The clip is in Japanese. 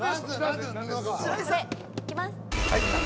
いきます。